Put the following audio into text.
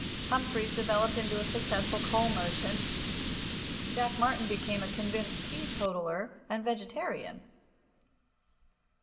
Humphries developed into a successful coal merchant. Jack Martin became a convinced teetotaller and vegetarian.